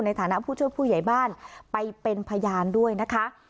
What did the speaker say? ในฐานะผู้ช่วยผู้ใหญ่บ้านไปเป็นพยานด้วยนะคะ